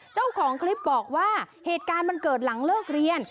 เจ้าของคลิปบอกว่าเหตุการณ์มันเกิดหลังเลิกเรียน